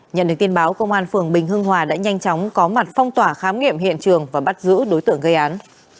nhận được tin báo công an phường bình hưng hòa đã nhanh chóng có mặt phong tỏa khám nghiệm hiện trường và bắt giữ đối tượng gây án